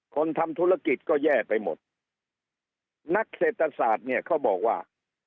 คนทำธุรกิจก็แย่ไปหมดนักเศรษฐศาสตร์เนี่ยเขาบอกว่า